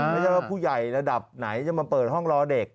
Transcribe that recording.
ไม่ใช่ว่าผู้ใหญ่ระดับไหนจะมาเปิดห้องรอเด็ก